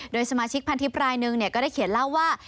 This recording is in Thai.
โดยสมาชิกพันทีปลายนึงเนี่ยก็ได้เขียนเล่าว่า